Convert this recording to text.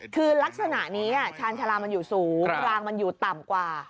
คือลักษณะนี้ชาญชาลามันอยู่สูงรางมันอยู่ต่ำกว่า